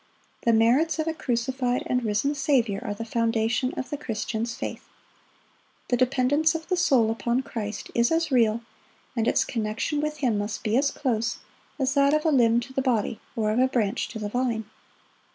The merits of a crucified and risen Saviour are the foundation of the Christian's faith. The dependence of the soul upon Christ is as real, and its connection with Him must be as close, as that of a limb to the body, or of a branch to the vine.